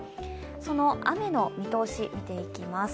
その雨の見通し、見ていきます。